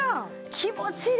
気持ちいい。